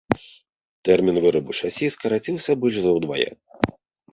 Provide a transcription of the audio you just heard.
Тэрмін вырабу шасі скараціўся больш за ўдвая.